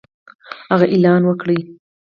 هغه اعلان وکړ